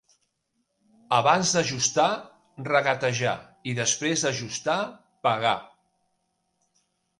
Abans d'ajustar, regatejar, i després d'ajustar, pagar.